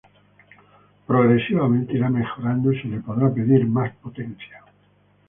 Progresivamente ira mejorando y se le podrá pedir más potencia.